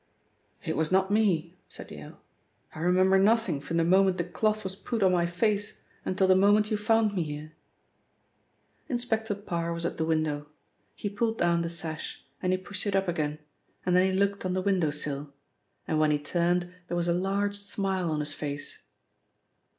"It was not me," said Yale. "I remember nothing from the moment the cloth was put on my face until the moment you found me here." Inspector Parr was at the window. He pulled down the sash, and he pushed it up again, and then he looked on the window sill, and when he turned there was a large smile on his face.